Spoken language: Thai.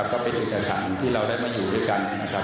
ก็เป็นิกษาสถานที่เราได้มาอยู่ด้วยกัน